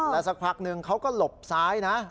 แล้วสักพักนึงเขาก็หลบซ้ายนะ